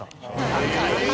仲いい！